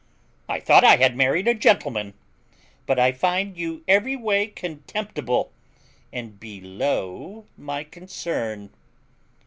I thought I had married a gentleman; but I find you every way contemptible and below my concern.